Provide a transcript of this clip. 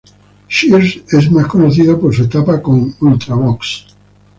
Shears es más conocido por su etapa con Ultravox!.